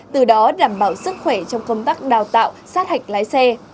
từ đó đảm bảo sức khỏe trong công tác đào tạo sát hạch lái xe